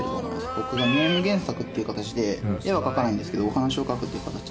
僕がネーム原作っていう形で絵は描かないんですけどお話を書くっていう形で。